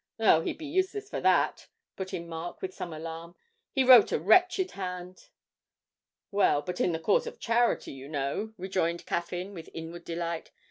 'Oh, he'd be useless for that!' put in Mark with some alarm; 'he wrote a wretched hand.' 'Well, but in the cause of charity, you know,' rejoined Caffyn, with inward delight.